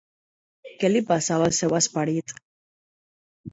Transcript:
Què li passava al seu esperit?